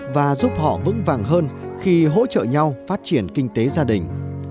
và giúp họ vững vàng hơn khi hỗ trợ nhau phát triển kinh tế gia đình